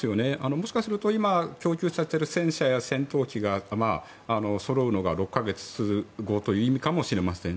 もしかすると今、供給されている戦車や戦闘機がそろうのが６か月後という意味かもしれません。